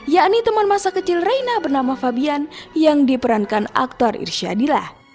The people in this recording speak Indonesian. yakni teman masa kecil reina bernama fabian yang diperankan aktor irsyadillah